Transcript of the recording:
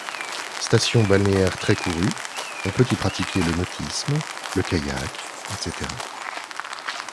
Station balnéaire très courue, on peut y pratiquer le nautisme, le kayak, etc.